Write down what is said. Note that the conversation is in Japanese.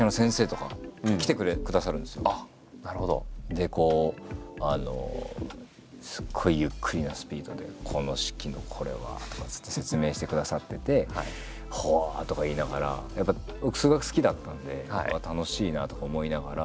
でこうすごいゆっくりなスピードで「この式のこれは」っつって説明してくださってて「ほう！」とか言いながらやっぱり僕数学好きだったんで楽しいなとか思いながら。